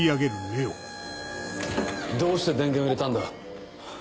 どうして電源を入れたんだ。